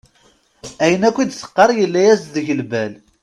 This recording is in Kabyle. Ayen akk i d-teqqar yella-as-d deg lbal.